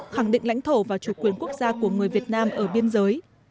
khẳng định lãnh thổ và chủ quyền quốc gia của người việt nam ở biên giới